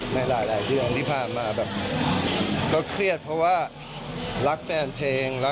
ไม่ได้มีการพูดคุยกันขอโทษทีแล้วอะไรอย่างนี้